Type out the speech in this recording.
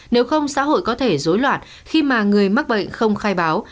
nếu không xã hội có thể dối loạn khi mà người mắc bệnh không khai báo